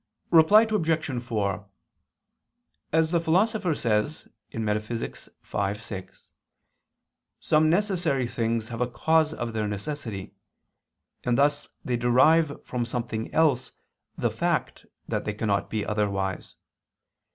Reply Obj. 4: As the Philosopher says (Metaph. v, text. 6), some necessary things have a cause of their necessity: and thus they derive from something else the fact that they cannot be otherwise.